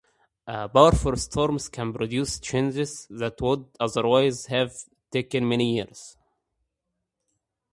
Powerful storms can produce changes that would otherwise have taken many years.